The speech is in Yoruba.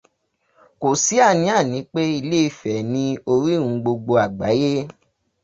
Kò sí àní-àní pé Ilẹ̀-Ifẹ̀ ni orírun gbogbo àgbáyé.